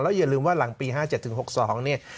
แล้วอย่าลืมว่าหลังปี๕๖สอง